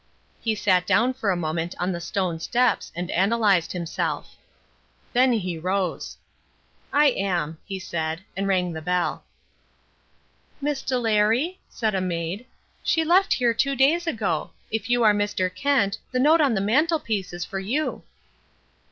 He sat down for a moment on the stone steps and analysed himself. Then he rose. "I am," he said, and rang the bell. "Miss Delary?" said a maid, "she left here two days ago. If you are Mr. Kent, the note on the mantelpiece is for you."